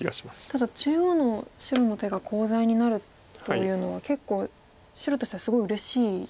ただ中央の白の手がコウ材になるというのは結構白としてはすごいうれしいですよね。